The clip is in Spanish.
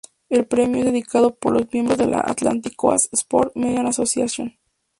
El premio es decidido por los miembros de la "Atlantic Coast Sports Media Association".